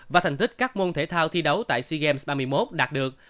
và thành tích các môn thể thao thi đấu tại sea games ba mươi một đạt được